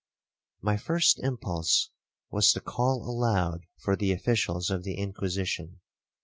My first impulse was to call aloud for the officials of the Inquisition.